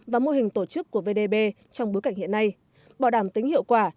và mô hình tổ chức của vdb trong bối cảnh hiện nay bảo đảm tính hiệu quả